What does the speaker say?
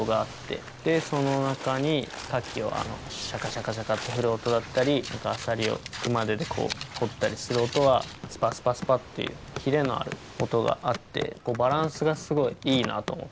でその中にカキをシャカシャカシャカって振る音だったりあさりを熊手でこうとったりする音はスパスパスパっていう切れのある音があってバランスがすごいいいなと思って。